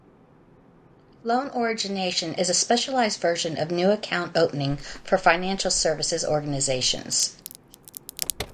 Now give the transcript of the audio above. Loan origination is a specialized version of new account opening for financial services organizations.